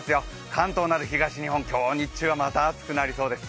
関東など東日本、今日日中はまた暑くなりそうです。